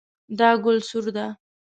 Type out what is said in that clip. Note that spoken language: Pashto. دا ګل سور ده